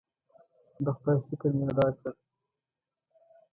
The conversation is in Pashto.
د خدای شکر مې ادا کړ.